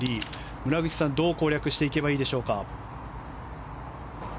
村口さん、どう攻略していけばいいでしょうか。